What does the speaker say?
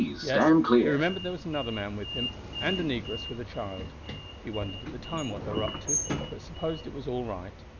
Yes, he remembered there was another man with him, and a negress with a child. He wondered at the time what they were up to, but supposed it was all right.